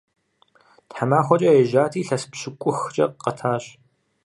Тхьэмахуэкӏэ ежьати, илъэс пщыкӏухкӏэ къэтащ.